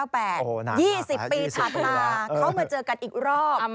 ๒๐ปีถัดมาเขามาเจอกันอีกรอบ